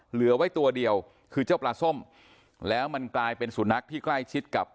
เหลือไว้ตัวเดียวคือเจ้าปลาส้มแล้วมันกลายเป็นสุนัขที่ใกล้ชิดกับ